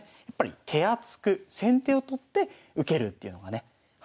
やっぱり手厚く先手を取って受けるっていうのがね。